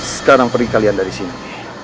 sekarang perih kalian dari sini